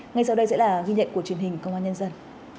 ngay sau đây sẽ là ghi nhận của truyền hình công an nhân dân